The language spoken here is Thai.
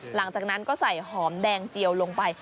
หลังจากนั้นก็ใส่หอมแดงเจียวลงไป